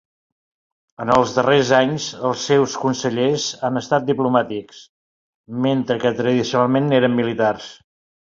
En els darrers anys, els seus consellers han estat diplomàtics, mentre que tradicionalment eren militars.